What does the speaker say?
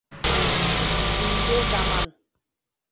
Килде заман.